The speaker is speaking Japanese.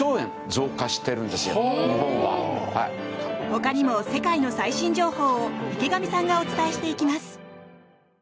他にも、世界の最新情報を池上さんがお伝えしていきます。